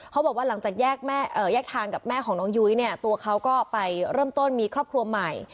เขาบอกว่าหลังจากแยกทางกับแม่ของน้องยุ้ยเนี่ยตัวเขาก็ไปเริ่มต้นมีครอบครัวใหม่